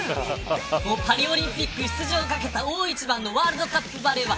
パリオリンピック出場を懸けた大一番のワールドカップバレーは